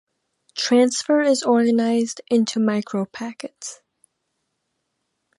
Transfer is organized into micropackets.